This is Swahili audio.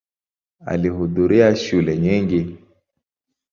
Alihudhuria shule nyingi.